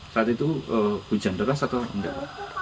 saat itu hujan deras atau enggak pak